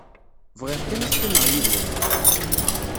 Bɣiɣ kan ad qqimeɣ yid-wen.